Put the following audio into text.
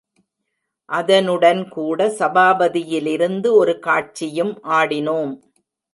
அதனுடன்கூட சபாபதி யிலிருந்து ஒரு காட்சியும் ஆடினோம்.